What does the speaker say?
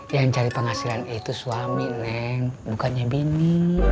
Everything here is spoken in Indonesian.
yang cari penghasilan itu suami neng bukannya bini